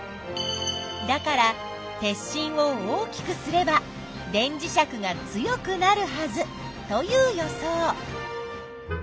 だから鉄しんを大きくすれば電磁石が強くなるはずという予想。